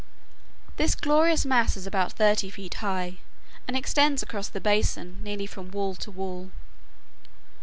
This glorious mass is about thirty feet high, and extends across the basin nearly from wall to wall.